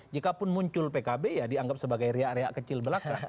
jikapun muncul pkb ya dianggap sebagai rea rea kecil belakang